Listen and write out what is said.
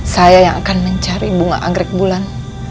saya yang akan mencari bunga anggrek bulan